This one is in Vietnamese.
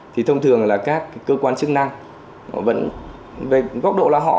thì thông thường là các cơ quan chức năng họ vẫn về góc độ là họ